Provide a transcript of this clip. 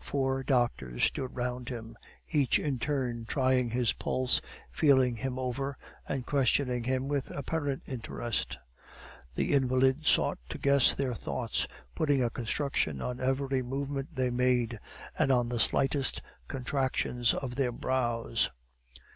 Four doctors stood round him, each in turn trying his pulse, feeling him over, and questioning him with apparent interest. The invalid sought to guess their thoughts, putting a construction on every movement they made, and on the slightest contractions of their brows.